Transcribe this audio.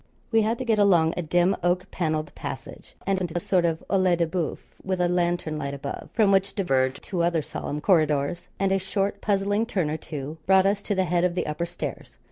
We had to get along a dim oak panelled passage, and into a sort of oeil de boeuf, with a lantern light above, from which diverged two other solemn corridors, and a short puzzling turn or two brought us to the head of the upper stairs.